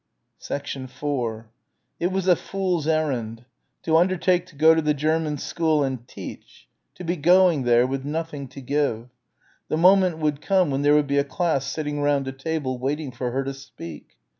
4 It was a fool's errand.... To undertake to go to the German school and teach ... to be going there ... with nothing to give. The moment would come when there would be a class sitting round a table waiting for her to speak.